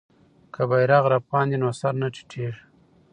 که بیرغ رپاند وي نو سر نه ټیټیږي.